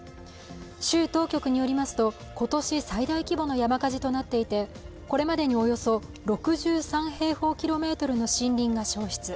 州当局によりますと今年最大規模の山火事となっていて、これまでにおよそ６３平方キロメートルの森林が焼失。